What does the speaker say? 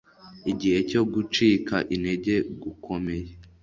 Igihe cyo gucika intege gukomeye